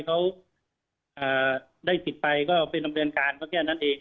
เขาได้สิทธิ์ไปก็ไปดำเนินการก็แค่นั้นเอง